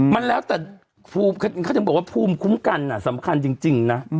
มันแล้วแต่เขาถึงบอกว่าภูมิคุ้มกันสำคัญจริงนะ